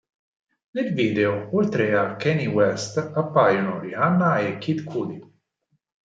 Nel video, oltre a Kanye West, appaiono Rihanna e Kid Cudi.